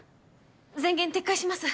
前言撤回します。